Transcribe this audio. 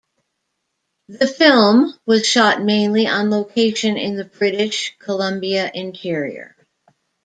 The film was shot mainly on location in the British Columbia interior.